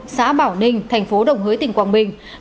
xã bảo ninh thành phố đồng hới tỉnh quảng bình